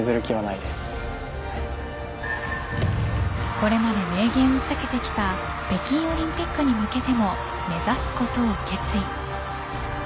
これまで明言を避けてきた北京オリンピックに向けても目指すことを決意。